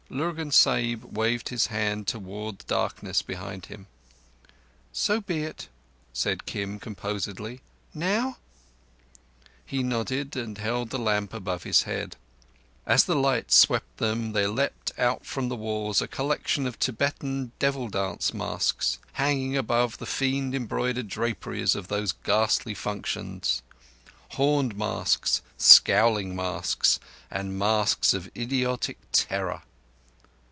Lurgan Sahib waved his hand towards the darkness behind him. "So be it," said Kim composedly. "Now?" He nodded and held the lamp above his head. As the light swept them, there leaped out from the walls a collection of Tibetan devil dance masks, hanging above the fiend embroidered draperies of those ghastly functions—horned masks, scowling masks, and masks of idiotic terror.